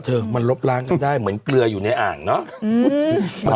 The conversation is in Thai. เธอมันลบล้างกันได้เหมือนเกลืออยู่ในอ่างเนาะ